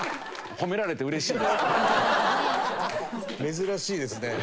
珍しいですね。